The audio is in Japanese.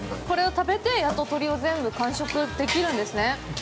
これを食べて、やっと鶏を全部、完食できるんですね？